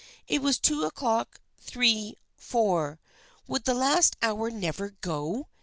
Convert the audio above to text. It was two o'clock, three, four. Would the last hour never go